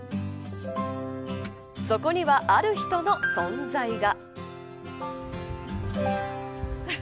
そこには、ある人の存在が。